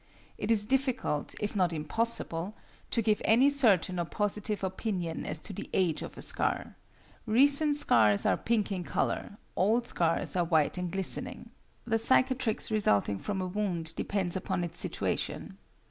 It is difficult, if not impossible, to give any certain or positive opinion as to the age of a scar; recent scars are pink in colour; old scars are white and glistening. The cicatrix resulting from a wound depends upon its situation.